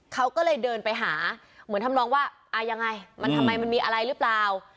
เขาก็เลยเดินไปหาเหมือนทำนองว่าอ่ายังไงมันทำไมมันมีอะไรหรือเปล่า